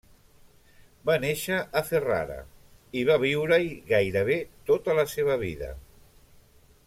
Va néixer a Ferrara, i va viure-hi gairebé tota la seva vida.